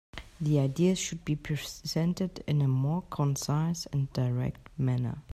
The ideas should be presented in a more concise and direct manner.